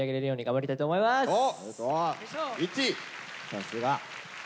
さすが。